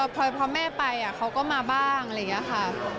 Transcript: พอแม่ไปเขาก็มาบ้างอะไรอย่างนี้ค่ะ